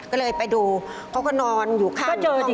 ก็เลยไปดูเขาก็นอนอยู่ข้างห้องน้ำ